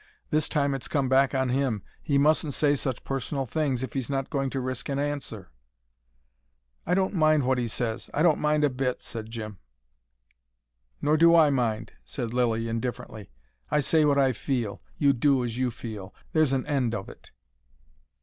This time it's come back on him. He mustn't say such personal things, if he's not going to risk an answer." "I don't mind what he says. I don't mind a bit," said Jim. "Nor do I mind," said Lilly indifferently. "I say what I feel You do as you feel There's an end of it."